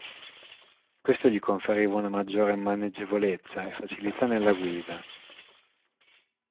Questo gli conferiva una maggiore maneggevolezza e facilità nella guida.